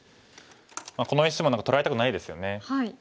この石も何か取られたくないですよね。